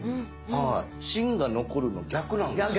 はい芯が残るの逆なんですね